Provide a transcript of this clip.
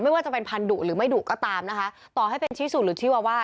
ว่าจะเป็นพันธุหรือไม่ดุก็ตามนะคะต่อให้เป็นชี้สุดหรือชีวาว่า